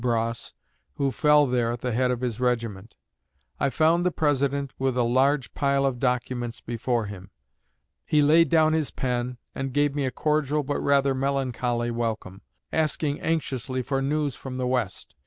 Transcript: Bross, who fell there at the head of his regiment. I found the President with a large pile of documents before him. He laid down his pen and gave me a cordial but rather melancholy welcome, asking anxiously for news from the West.